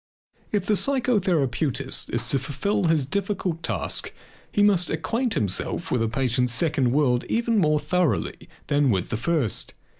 If the psychotherapeutist is to fulfill his difficult task he must acquaint himself with the patient's second world even more thoroughly than with the first.